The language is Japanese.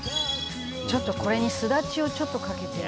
「ちょっとこれにスダチをちょっとかけて」